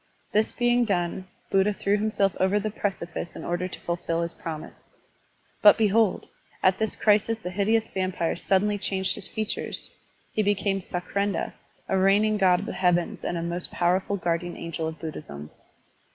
This being done, Buddha threw himself over the precipice in order to fulfill his promise. But behold! at this crisis the hideous vampire sud denly changed his features, he became Sakrendra, a reigning god of the heavens and a most pow erful guardian angel of Buddhism.